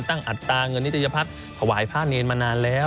ตั้งอัตราเงินนิจจัยภาษณ์ถวายพระเนรนดร์มานานแล้ว